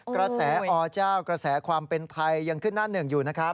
กระแสอเจ้ากระแสความเป็นไทยยังขึ้นหน้าหนึ่งอยู่นะครับ